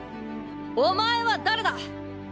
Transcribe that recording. お前は誰だ？